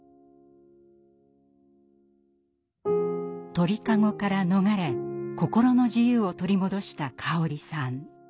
鳥籠から逃れ心の自由を取り戻したカオリさん。